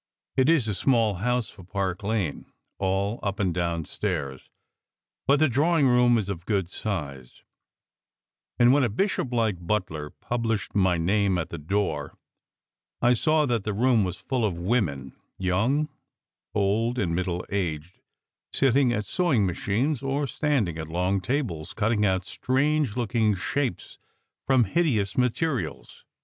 It is a small house for Park Lane, all up and down stairs; but the drawing room is of good size; and when a bishop like butler published my name at the door, I saw that the room was full of women, young, old, and middle aged, seated at sewing machines, or stand ing at long tables cutting out strange looking shapes from hideous materials.